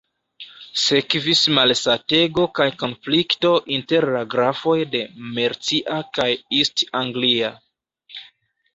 Sekvis malsatego kaj konflikto inter la grafoj de Mercia kaj East Anglia.